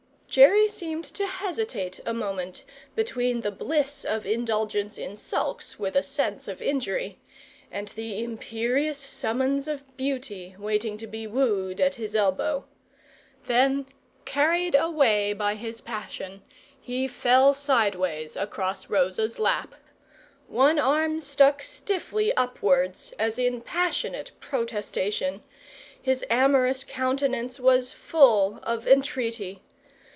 Jerry seemed to hesitate a moment between the bliss of indulgence in sulks with a sense of injury, and the imperious summons of beauty waiting to be wooed at his elbow; then, carried away by his passion, he fell sideways across Rosa's lap. One arm stuck stiffly upwards, as in passionate protestation; his amorous countenance was full of entreaty.